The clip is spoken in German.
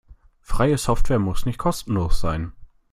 Freie Software muss nicht kostenlos sein.